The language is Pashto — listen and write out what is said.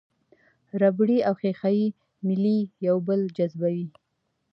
ربړي او ښيښه یي میلې یو بل جذبوي.